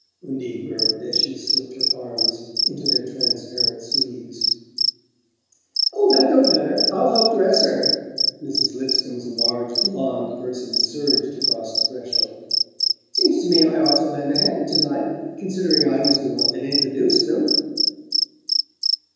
Undine murmured as she slipped her arms into their transparent sleeves. "Oh, that don't matter I'll help dress her!" Mrs. Lipscomb's large blond person surged across the threshold. "Seems to me I ought to lend a hand to night, considering I was the one that introduced them!"